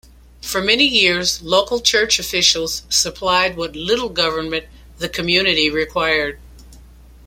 For many years local church officials supplied what little government the community required.